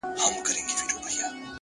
هوښیار انسان له وخت سره ملګرتیا کوي،